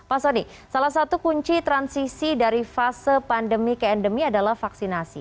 pak soni salah satu kunci transisi dari fase pandemi ke endemi adalah vaksinasi